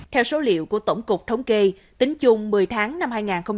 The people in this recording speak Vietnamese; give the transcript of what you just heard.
theo số liệu của tổng cục thống kê tính chung một mươi tháng năm hai nghìn hai mươi ba